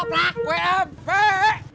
maaf pauk atau giltar wafat